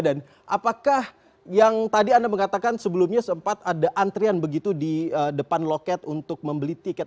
dan apakah yang tadi anda mengatakan sebelumnya sempat ada antrian begitu di depan loket untuk membeli tiket